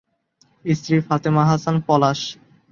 স্ত্রী ফাতিমা হাসান পলাশ।